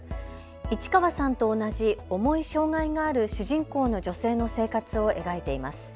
市川さんと同じ重い障害がある主人公の女性の生活を描いています。